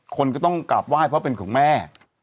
คนก็ต้องกราบไหว้เพราะเป็นของแม่